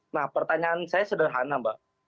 nah pertanyaan saya sederhana mbak